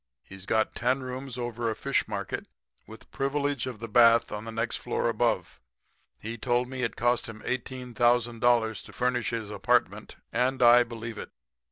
He's got ten rooms over a fish market with privilege of the bath on the next floor above. He told me it cost him $18,000 to furnish his apartment, and I believe it.